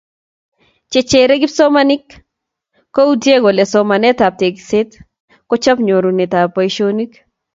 Che chere kipsomaninik koutie kole somanetab tekset kochob nyorunetab boisionik.